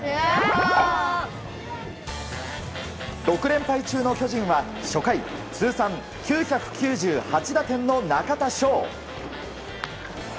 ６連敗中の巨人は初回通算９９８打点の中田翔。